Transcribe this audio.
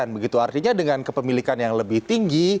begitu artinya dengan kepemilikan yang lebih tinggi